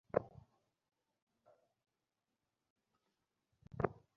ঠিক আছে, শুরু করা যাক।